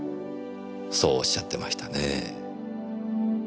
そうおっしゃってましたねぇ。